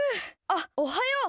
あっおはよう。